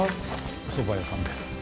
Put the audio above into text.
おそば屋さんです。